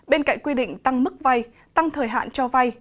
bên cạnh quy định tăng mức vay tăng thời hạn cho vay